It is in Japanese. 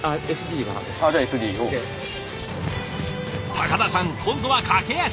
高田さん今度は駆け足。